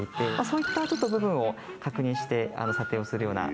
「そういった部分を確認して査定をするような」